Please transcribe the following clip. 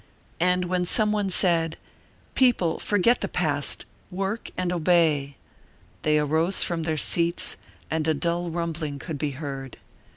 And when some one said: "People, forget the past, work and obey," they arose from their seats and a dull rumbling could be heard.